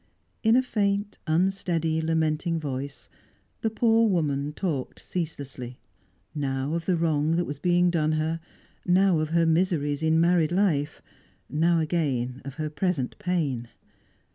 In a faint, unsteady, lamenting voice, the poor woman talked ceaselessly; now of the wrong that was being done her, now of her miseries in married life, now again of her present pain.